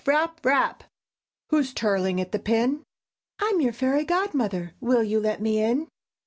Rap! Rap! "Who's tirling at the pin?" "I'm your Fairy Godmother. Will you let me in?"